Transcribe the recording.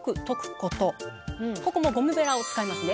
ここもゴムベラを使いますね。